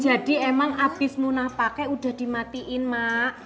jadi emang abis muna pake udah dimatiin mak